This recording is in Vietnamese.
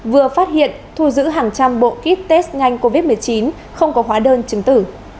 vừa phát hiện thu giữ hàng trăm bộ kit test nhanh covid một mươi chín không có hóa đơn chứng tử